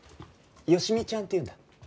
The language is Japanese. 好美ちゃんっていうんだ。